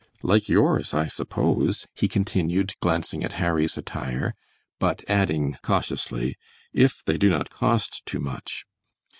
"Like yours, I suppose," he continued, glancing at Harry's attire, but adding, cautiously, "if they do not cost too much."